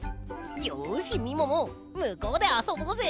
よしみももむこうであそぼうぜ。